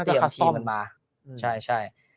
ทีสองน่าจะคักซ่อมใช่